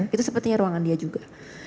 itu sepertinya ruangan dia juga